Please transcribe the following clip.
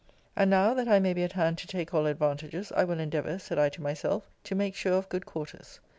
And now, that I may be at hand to take all advantages, I will endeavour, said I to myself, to make sure of good quarters.